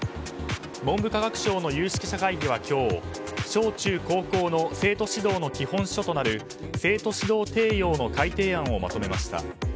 文部科学省の有識者会議は今日小中高校の生徒指導の基本書となる生徒指導提要の改訂案をまとめました。